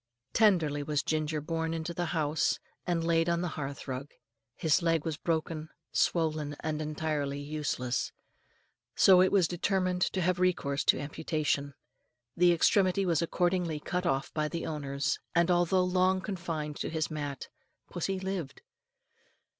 Tenderly was Ginger borne into the house, and laid on the hearth rug. His leg was broken, swollen, and entirely useless; so it was determined to have recourse to amputation. The extremity was accordingly cut off by the owners, and, although long confined to his mat, pussy lived.